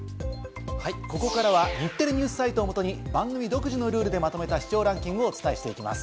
ここからは日テレＮＥＷＳサイトをもとに番組独自のルールでまとめた視聴ランキングをお伝えします。